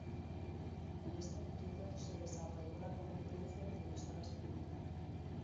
En este periodo se desarrolló la competencia entre emisoras públicas.